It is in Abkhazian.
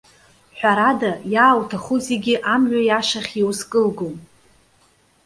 Ҳәарада, иаауҭаху зегьы амҩа иашахь иузкылгом.